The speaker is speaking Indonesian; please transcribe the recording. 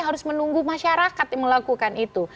harus menunggu masyarakat yang melakukan itu